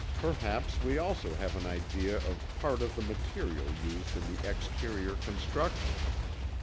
Perhaps we also have an idea of part of the material used in the exterior construction.